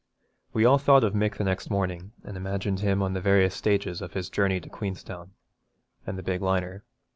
We all thought of Mick the next morning, and imagined him on the various stages of his journey to Queenstown, and the big liner.